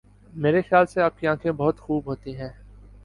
میری خیال سے آپ کی آنکھیں بہت خوب ہوتی ہیں.